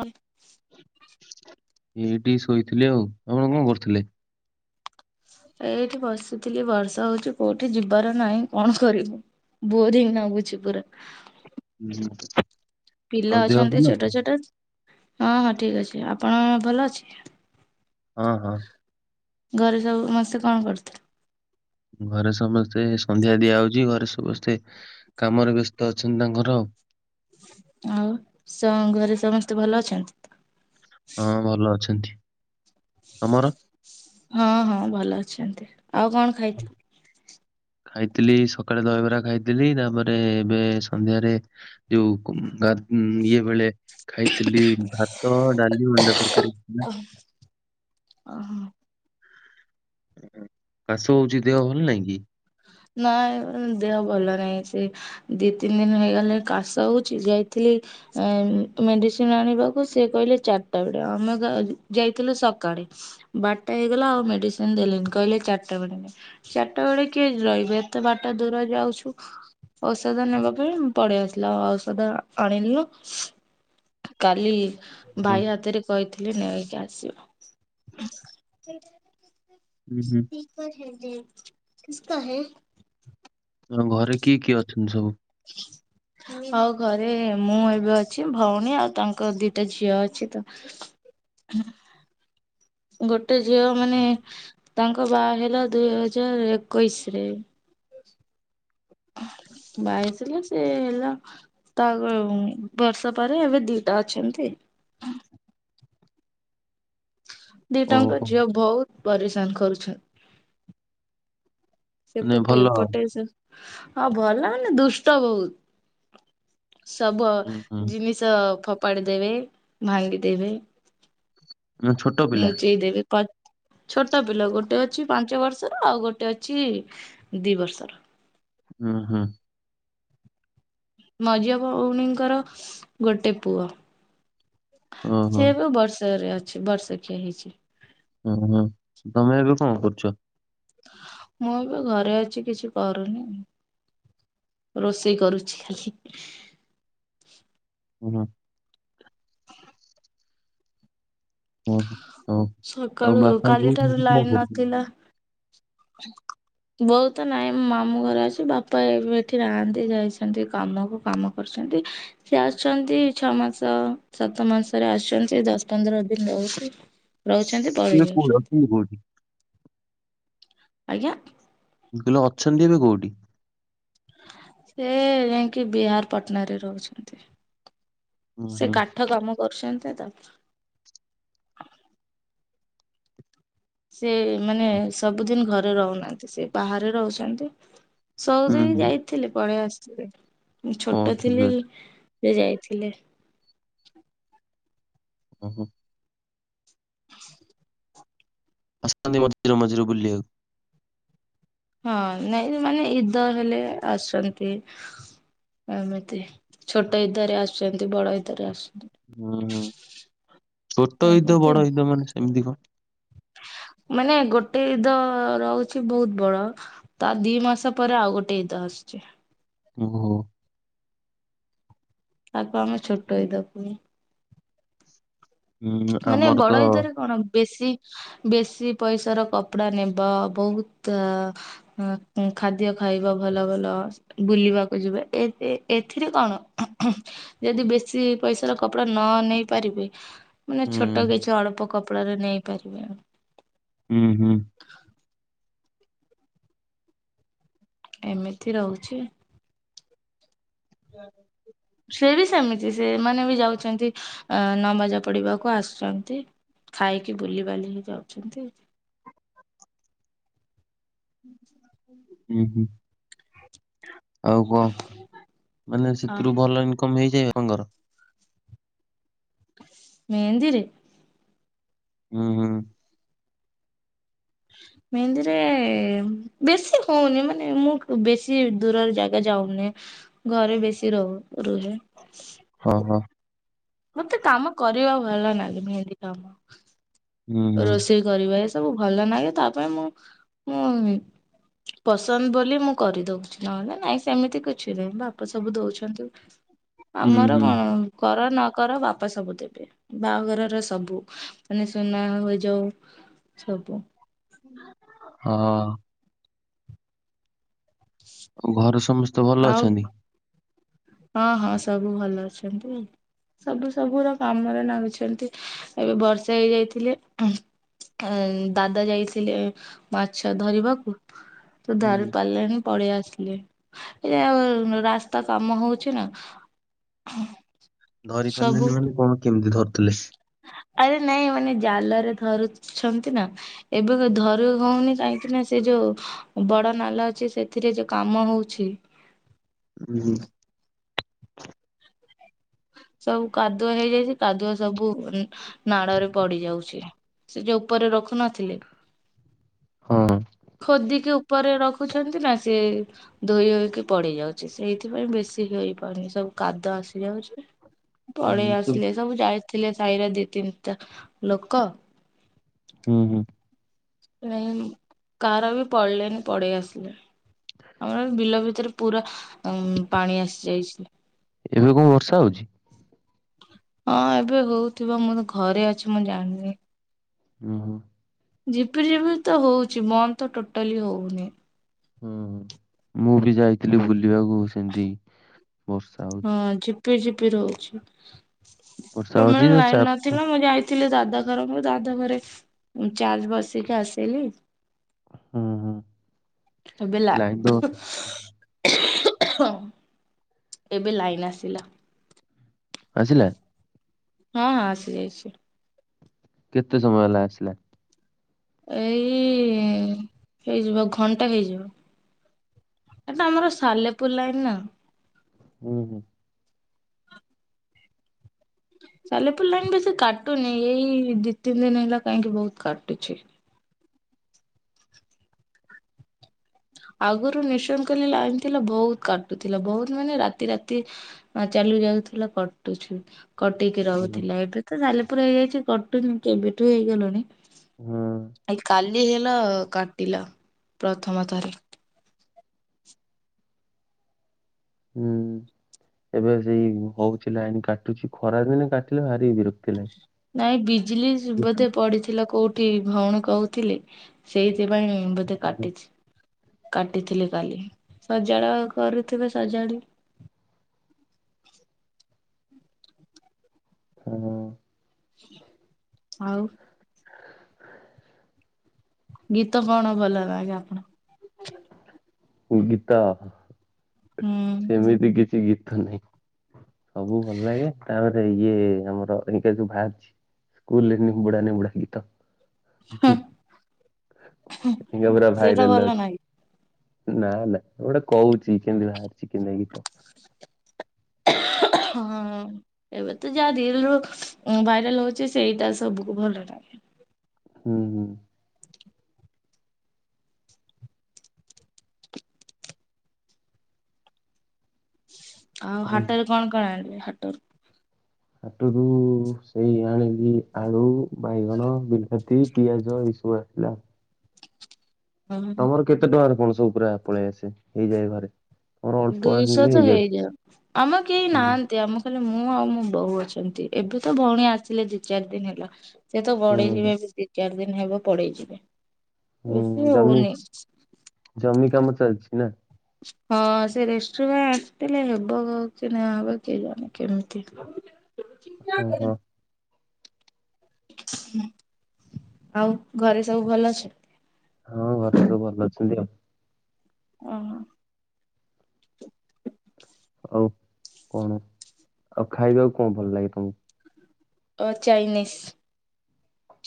ହଉଁ [inaudible] ଏଇଠି ଶୋଇଥିଲି ଆଉ। ଆପଣ କଣ କରୁଥିଲେ? ଏଇଠି ବସିଥିଲି ବର୍ଷା ହଉଛିି କୋଉଠି ଯିବାର ନାହିଁ କଣ କରିବୁ। ବୋରିଂ ନାଗୁଛି ପୁରା। ହୁଁ। ପିଲା ଆଉ ଦେହ ଅଛନ୍ତି ଭଲ ଅଛି? ଛୋଟ ଛୋଟ ହଁ ହଁ ଠିକ ଅଛି ଆପଣ ଭଲ ଅଛି? ହଁ, ହଁ। ଘରେସବୁ ସମସ୍ତେ କଣ କରୁଥିଲେ? ଘରେସମସ୍ତେ, ସନ୍ଧ୍ୟାଦିଆହଉଛି ଘରେସମସ୍ତେ କାମରେ ବ୍ୟସ୍ତ ଅଛନ୍ତି ତାଙ୍କର ଆଉ। ଆଉ ସ ଘରେ ସମସ୍ତେ ଭଲଅଛନ୍ତୀ ହଁ ଭଲ ଅଛନ୍ତି। ତମର? ହଁ, ହଁ, ଭଲଅଛନ୍ତି ଆଉ କଣ ଖାଇଛୁ ଖାଇଥିଲି, ସକାଳେ ଦହିବରା ଖାଇଥିଲି। ତାପରେ ଏବେ ସନ୍ଧ୍ୟାରେ ଯୋଉ କୁମବାର ଇଏ ବେଳେ ଖାଇଥିଲି ଭାତ, ଡାଲି ଅଣ୍ଡାତରକାରୀ [unintelligible] ଅହଁ। କାଶ ହଉଚି ଦେହ ଭଲ ନାଇଁ କି? ନାଇ ଦେହ ଭଲ ନାହିଁ ସେ ଦି ତିନି ଦିନ ହେଇଗଲେ କାଶ ହଉଛି ଯାଇଥିଲି ଏମ୍ ମେଡିସିନ ଆଣିବାକୁ ସେ କହିଲେ ଚାରିଟା ବେଳେ। ଆମେ ଯାଇଥିଲ ସକାଳେ। ବାରଟା ହେଇଗଲା ଆଉ ମେଡିସିନ ଦେଲେନି କହିଲେ ଚାରିଟା ବେଳେ ଚାରିଟା ବେଳେ କିଏ ରହିବେ ଏତେ ବାଟ ଦୂର ଯାଉଛୁ ଔଷଧ ନେବା ପାଇଁ ପଳେଇ ଆସିଲା। ଔଷଧ ଆଣିଲୁ କାଲି ହଁ। ଭାଇ ହାତରେ କହିଥିଲି ନେଇକି ଆସିବା ହୁଁ ହୁଁ କସ କ ହେ ହ ଘରେ କିଏ କିଏ ଅଛନ୍ତି ସବୁ? ହ ଆଉ ଘରେ ମୁଁ ଏବେ ଅଛି ଭଉଣୀ ଆଉ ତାଙ୍କ ଦିଟା ଝିଅ ଅଛି ତ ଗୋଟେ ଝିଅ ମାନେ ତାଙ୍କ ବା ହେଲା ଦୁଇ ହଜାର ଏକୋଇଶ ରେ। ବାହା ହେଇଥିଲେ ସିଏ ହେଲା ତା ବର୍ଷ ପରେ ଏବେ ଦିଟା ଅଛନ୍ତି ଦିଟାଙ୍କ ଓହୋ ଝିଅ ବହୁତ ପରିଶାନ କରୁଛନ୍ତି। ମାନେ ସେପଟେ ଭଲ ଆଉ ଏପଟେ ସେ ହଁ ଭଲ ହେନେ ଦୁଷ୍ଟ ବହୁତ। ସବୁ ଅ ହୁଁ ହୁଁ ଜିନିଷ ଫୋପାଡି ଦେବେ ଭାଙ୍ଗି ଦେବେ ମାନେ ଛୋଟ ପିଲା ନୁଚେଇ ଦେବ ପା ଛୋଟ ପିଲା ଗୋଟେ ଅଛି ପାଞ୍ଚ ବର୍ଷର ଆଉ ଗୋଟେ ଅଛି ଦି ବର୍ଷର। ହୁଁ ହୁଁ। ମଝିଆ ଭଉଣୀଙ୍କର ଗୋଟେ ପୁଅ। ଓହୋ ସେ ଏବେ ବର୍ଷକରେ ଅଛି ବର୍ଷକିଆ ହେଇଛି। ଓହୁଁ ତମେ ଏବେ କଣ କରୁଛ? ମୁଁ ଏବେ ଘରେ ଅଛି କିଛି କରୁନି। ରୋଷେଇ କରୁଛି ଖାଲି। ହୁ ନା। ଓହ ଆଉ ସକାଳୁ ବାପାଙ୍କୁ କାଲିଠାରୁ [unintelligible] ହ ବୋଉ ତ ନାଇଁ ମୁଁ ମାମୁ ଘରେ ଅଛି। ବାପା ଏବେ ଏଠି ନାହାନ୍ତି ଯାଇଛନ୍ତି କାମକୁ କାମ କରିସନ୍ତି ସିଏ ଆସୁଛନ୍ତି ଛଅ ମାସ ସାତ ମାସରେ ଆସୁଛନ୍ତି ଦଶ ପନ୍ଦର ଦିନ ରହିକି ରହୁଛନ୍ତି ଏବେ ପଳେଇ କୋଉଠି ଯାଉଛନ୍ତି। ଅଛନ୍ତି କୋଉଠି? ଆଜ୍ଞା। ମୁଁ କହିଲିଅଛନ୍ତି ଏବେ କୋଉଠି? ସେ ଯାଇକି ବିହାର ପଟଣା ରେ ରହୁଛନ୍ତି। ହୁଁ ସେ ହୁଁ କା ଠ କାମ କରୁଛନ୍ତି ତ। ସେ ମାନେ ସବୁଦିନ ଘରେ ରହୁନାହାନ୍ତି ସେ ବାହାରେ ରହୁଛନ୍ତି। ହୁଁ ସବଦିନ ହୁଁ ଯାଇଥିଲେ ପଳେଇ ଆସିଥିଲେ ମୁ ହଁ ଛୋଟ ଥିଲି ଠିକ ଅଛି ସେ ଯାଇଥିଲେ। ଉଁ ହୁଁ। [inaudible] ଆସନ୍ତି ମଝିରେ ମଝିରେ ବୁଲିବାକୁ? ହଁ ନାଇଁ ମାନେ ଇଦ ହେଲେ ଆସୁଛନ୍ତି। ଏମିତି ଛୋଟ ଇଦ ରେ ଆସୁଛନ୍ତି ବଡ ଇଦ ରେ ଆସୁଛନ୍ତି। ହୁଁ ହୁଁ ଛୋଟ ଇଦ ଏମିତି। ବଡ ଇଦ ମାନେ ସେମିତି କଣ? ମାନେ ଗୋଟେ ଇଦ ରହୁଛି ବହୁତ ବଡ। ତା ଦି ମାସ ପରେ ଆଉ ଗୋଟେ ଇଦ ଆସୁଛି। ଓହୋ। ତାକୁ ଆମେ ଛୋଟ ଇଦ କହୁ। ହୁଁ ମାନେ ଆମର ତ ବଡ ଇଦରେ କଣ ବେଶୀ ବେଶୀ ପଇଶା ର କପଡା ନେବ ବହୁତ ହଁ ଖାଦ୍ୟ ଖାଇବ ଭଲ ଭଲ। ବୁଲିବାକୁ ଯିବା ଏ ଏ ଏଥିରେ କଣ ହୁଙ୍କ୍ ଖୁ। ଯଦି ବେଶୀ ପଇସାର କପଡା ନ ନେଇ ପାରିବେ। ମାନେ ହୁଁ ଛୋଟ କିଛି ଅଳ୍ପ କପଡ଼ାରେ ନେଇ ପାରିବେ। ଉଁ ହୁଁ। ଏମିତି ରହୁଛି। [inaudible] ସେ ବି ସେମିତି ସେମାନେ ବି ଯାଉଛନ୍ତି ଅ ନମାଜ ପଡିବାକୁ ଆସୁଛନ୍ତି। ଖାଇକି ବୁଲିିବାଲି ହେଇ ଯାଉଛନ୍ତି। ଉଁ ହୁଁ। ଆଉ କଣ ମାନେ ଅ ସେଥିରୁ ଭଲ ଇନକମ ହେଇଯାଏ ଆପଣଙ୍କର? ମେହେନ୍ଦିରେ? ହୁଁ ହୁଁ। ମେହେନ୍ଦୀରେ ବେଶୀ ହଉନି ମାନେ ମୁଁ ବେଶୀ ଦୂରରେ ଯା ଯାଉନି ଘରେ ବେଶି ରହୁ ରୁହେ। ଓ ହୋ। ମତେ କାମ କରିବା ଭଲ ନାଗୁନି ମେହେତି କାମ। ହୁଁ ହୁଁ ରୋଷେଇ କରିବା ଏସବୁ ଭଲ ଲାଗେ, ତା ପାଇଁ ମୁଁ ମୁଁ ପସନ୍ଦ ବୋଲି ମୁଁ କରିଦଉଛି ନହେଲେ ନାଇଁ ସେମିତି କିଛି ନାହିଁ ବାପା ସବୁ ଦଉଛନ୍ତି। ହୁଁ ଆମର ହୁଁ କଣ କର ନ କର ବାପା ସବୁ ଦେବେ ବାହାଘରର ସବୁ। ମାନେ ସୁନା ହୋଇଯାଉ ସବୁ। ହଁ। ଆଉ ଘର ସମସ୍ତେ ଭଲ ଆଉ ଅଛନ୍ତି? ହଁ ହଁ ସବୁ ଭଲ ଅଛନ୍ତି। ସବୁ ସବୁର କାମରେ ନାଗୁଛନ୍ତି ଏବେ ବର୍ଷା ହେଇଯାଇଥିଲେ। ଏଇ ଦାଦା ଯାଇଥିଲେ ମାଛ ଧରିବାକୁ। ତ ଧରି ହୁଁ ପାରିଲେଣି ପଳେଇ ଆସିଲେ, ଏଉ ରାସ୍ତା କାମ ହଉ ଛିନା। ଧରି ପାରିଲେନି ମାନେ କଣ କେମିତି ଧରୁଥିଲେ? ଆରେ ନାଇଁ ମାନେ ଜାଲରେ ଧରୁଛନ୍ତି ନା। ଏବେ ଧରୁ ହଉନି କାହିଁକି ନା ସେ ଯୋଉ ବଡ ନାଲ ଅଛି ସେଥିରେ ଯୋଉ କାମ ହଉଛି। ହୁଁ ହୁଁ। ସବୁ କାଦୁଅ ହେଇଯାଇଛି କାଦୁଅ ସବୁ ଉଁ ନାଡରେ ପଡି ଯାଉଛି। ସେ ଯଉ ଉପରେ ରଖୁ ନଥିଲେ। ହଁ ଖୋଦି ରଖୁଛନ୍ତି ନା। ସେ ଧୋଇ ହୋଇକି ପଡ଼ି ଯାଉଚି, ସେଇଥିପାଇଁ ବେଶୀ ହେଇ ପାରୁନି। ସବୁ କାଦ ଆସି ଯାଉ ପଳେଇ ଉଁ, ସେ ଆସ୍‌ଲେ, ସବୁ ଯାଇଥିଲେ ସାଇରେ ଦିଇ ତିନନ୍‌ଟା ଲୋକ। ଉଁ ହୁଁ। [inaudible] ଆମର ବିଲ ଭିତରେ ପୁରା ପାଣି ଆସି ଯାଇ। ଏବେ କ'ଣ ବର୍ଷା ହଉଚି? ହଁ! ଏବେ ହଉଥିବ, ମୁଁ ତ ଘରେ ଅଛି ମୁଁ ଜାଣ୍ନି। [inaudible] ଝିପିଝିପି ତ ହଉଚି, ବନ୍ଦ୍ ତ ଟୋଟାଲି ହଉନି। ହୁଁ, ମୁଁ ବି ଯାଇଥିଲି ବୁଲିବାକୁ ସେନ୍ତି ହଁ! ଝିପିଝିପି ରହୁଛି, ବର୍ଷା ତମ ହଉଛି ଯେ ଲାଇନ୍‌ ଚା ନଥିଲା, ମୁଁ ଯାଇ ଥିଲେ ଦାଦା ମୁଁ ଦାଦା ଘରେ ଚାର୍ଜ ବସେଇକି ଆସିଲି। [inaudible] ଲାଇନ ତ [inaudible] ଏବେ ଲାଇନ୍ ଆସିଲା। [inaudible] ହଁ ହଁ! ଆସିଯାଇଛି। କେତେ ସମୟ ହେଲା ଆସିଲା? ଏଇ ହେଇଯିବ, ଘଣ୍ଟା--ହେଇଯିବ। ଏଟା ଆମର ସାଲେପୁର୍ ଲାଇନ୍‌ ନା। [inaudible] ସାଲେପୁର୍ ଲାଇନ୍‌ ବେଶୀ କାଟୁନି, ଏଇ ଦି ତିନ୍ ଦିନ୍‌ ହେଲା କାହିଁକି ବହୁତ୍ କାଟୁଛି। ଆଗରୁ ଲାଇନ ଥିଲା ବହୁତ୍ କାଟୁଥିଲା, ବହୁତ୍ ମାନେ ରାତି ରାତି ଚାଲୁ ଯାଉଥିଲା। କଟୁ କଟିକି ହୁଁ ରହୁଥିଲା, ଏବେ ତ ସାଲେପୁର୍ ହେଇଯାଇଛି। କଟୁନି କେବେଠୁ ହୁଁ ହେଇଗ କାଲି ହେଲା କାଟିଲା, ପ୍ରଥମ [inaudible] ଏବେ ସେଇ ହଉଛି, ଲାଇନି କାଟୁଛି ଖରା ଦିନେ କାଟିଲେ ଭାରି ବିରକ୍ତି ଲାଗେ। ନାଇଁ ବିଜିଲି ବଧେ ପଡ଼ିଥିଲା କଉ ଭଉଣୀ କହୁଥିଲେ, ସେଇଥି ପାଇଁ ବଧେ କାଟିଛି। କାଟିଥିଲେ କାଲି, ସଜାଡ଼ା କରୁଥିବେ ସଜାଡ଼ି [inaudible] [inaudible] ଗୀତ କ'ଣ ଭଲ ଲାଗେ? ଆପଣ [inaudible] [inaudible] ସେମିତି କିଛି ଗୀତ ନାହିଁ। ସବୁ ଭଲ୍ ଲାଗେ, ତା'ପରେ ଇଏ ଆମର ଯଉ ଭାର୍ଛି। [inaudible] ସେଇଟା ଭଲ [inaudible] ନାଗେ ନା ନା ଗୋଟେ କହୁଚି, କେନ୍‌ତି ବାହାର୍ଛି କେନ୍ତିଆ ଗୀତ। [inaudible] ଏବେ ତ ଯାହା ରିଲ୍ ରୁ ଭାଇରାଲ୍ ହଉଚି, ସେଇଟା ସବୁକୁ ଭଲ ଲାଗେ। [inaudible] ହଁ [inaudible] ହାଟରୁୁ ସେଇ ଆଣିଲି ଆଳୁ ବାଇଗଣ, ବିଲାତି, ପିଆଜ ଏଇ ସବୁ ଆସିଲା। [inaudible] ତମର କେତେ ଟଙ୍କାର କଣ ସବୁ ପୁରା ପଳେଇ ଆସେ ହେଇଯାଏ ଘରେ? ତମର ଅଳ୍ପ ଦୁଇଶ ଆଣିଲେ ତ ହେଇଯାଏ ଲେଇଯାଉ ଆମ କେହି ନାଆ ହୁଁ ତି ଆମ ଖାଲି ମୁଁ ଆଉ ମୋ ବୋଉ ଅଛନ୍ତି ଏବେ ତ ଭଉଣୀ ଆସିଲେ ଦି ଚାର୍ ଦିନ୍ ହେଲା। ସେ ତ ବଡ଼େଇ ହୁଁ ଯିବେ ଏବେ ଦି ଚାର୍ ଦିନ୍ ହେବ ପଳେଇ ଯିବେ। ହୁଁ ଜମି ଜମି କାମ ଚାଲିଚି, ନାଁ? ହଁ ସେ ରେଷ୍ଟୁରାଣ୍ ଆସିଥିଲେ ହେବ କି ନାଁ ହବ କିଏ ଜଣେ କେମିତି ହବ? ଓହୋ। ଆଉ ଘରେ ସବୁ ଭଲ ଅଛ? ହଁ ଘରେ ସବୁ ଭଲ ଅଛନ୍ତି ଆଉ। ଓହ। ଆଉ କଣ ଆଉ ଖାଇବାକୁ କଁ ଭଲ ଲାଗେ ତମୁ? ତ ଚାଇନିସ୍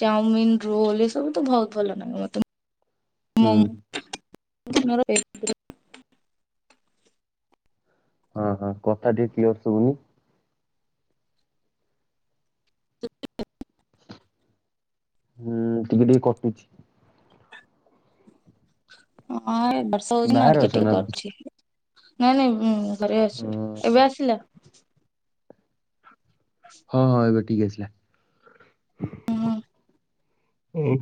ଚାଓମିିନ୍ ରୋଲ୍ ଏସବୁ ତ ଭଉତ୍ ଭଲ ନାଗେ ମତେ। ମୁଁ ହୁଁ ମୋର ହେଇତୃ ହଁ ହଁ କଥା ଟିଏ କ୍ଲିଅର୍ ଶୁବୁନି। [inaudible] ହୁଁ ଟିକେ ଟିକେ କଟୁଛି। ହଁ ଏ ବର୍ଷା ହୋଉଚି ନାଁ ବାହାରେ ଟିକେ ଅଛ ଟିକେ ନା କଟଚି ନାଇଁ ନାଇଁ ଉଁ ଘରେ ଅଛି। ଏବେ ଆସିଲା? ହଁ ହଁ ଏବେ ଠିକ୍ ଆସିଲା। ହୁଁ। ଓ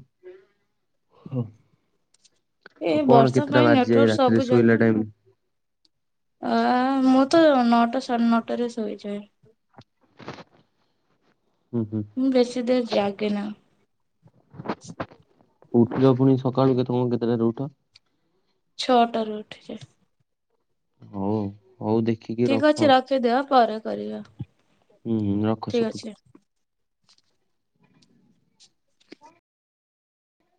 ହଁ। ଏ ଆଉ କଣ ବର୍ଷା କେତେଟା ପାଇଁ ନେଟୱାର୍କ ବାଜିଯାଏ ସବୁ ରାତିରେ ଜାଗା ଶୋଇଲା ଟାଇମ୍? ଆ ମୁଁ ତ ନଅଟା ସାଢ଼େ ନଅଟାରେ ଶୋଇଯାଏ। ହୁଁ ହୁଁ ମୁଁ ବେଶୀ ଦେର୍ ଜାଗେନା। ଉଠିଲ ପୁଣି ସକାଳୁ କେ ତମ କେତେଟାରେ ଉଠ? ଛଅଟାରୁ ଉଠିକେ ହଉ ହଉ ଦେ ଠିକ ଅଛି ରଖି ଦିଅ ପରେ କରିବା। ହୁଁ ହୁଁ ରଖ ଠିକ ଅଛି। ସେପଟୁ।